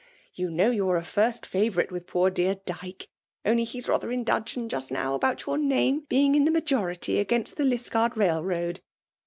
You know youVe a first fa vourite with poor dear Dyke, — only he's rather in dudgeon just now about your name being in the majority against the liskeard railroad.